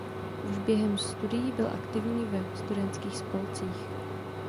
Už během studií byl aktivní ve studentských spolcích.